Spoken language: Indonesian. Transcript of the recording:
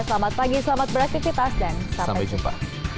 selamat pagi selamat beraktivitas dan sampai jumpa